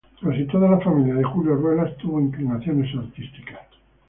Casi toda la familia de Julio Ruelas tuvo inclinaciones artísticas.